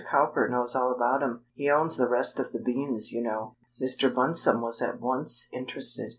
Cowper knows all about him. He owns the rest of the beans, you know." Mr. Bunsome was at once interested.